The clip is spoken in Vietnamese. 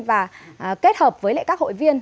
và kết hợp với các hội viên